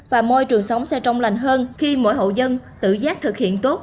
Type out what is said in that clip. và môi trường sống sẽ trong lành hơn khi mỗi hộ dân tự giác thực hiện tốt